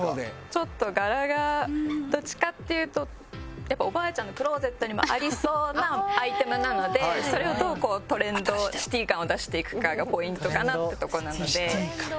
ちょっと柄がどっちかっていうとやっぱおばあちゃんのクローゼットにもありそうなアイテムなのでそれをどうトレンドシティ感を出していくかがポイントかなってとこなので。